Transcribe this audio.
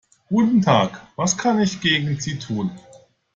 Guten Tag, was kann ich gegen Sie tun?